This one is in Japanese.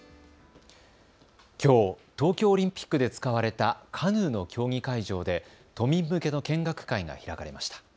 きょう、東京オリンピックで使われたカヌーの競技会場で都民向けの見学会が開かれました。